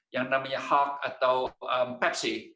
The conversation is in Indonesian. yang namanya hawk atau pepsi